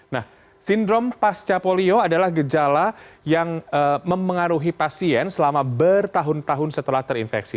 nah sindrom pasca polio adalah gejala yang mempengaruhi pasien selama bertahun tahun setelah terinfeksi